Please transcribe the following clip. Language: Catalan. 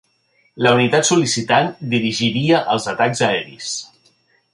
La unitat sol·licitant dirigiria els atacs aeris.